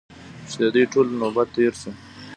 چې د دوی ټولو نوبت تېر شو.